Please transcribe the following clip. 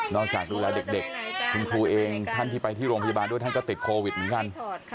จากดูแลเด็กคุณครูเองท่านที่ไปที่โรงพยาบาลด้วยท่านก็ติดโควิดเหมือนกัน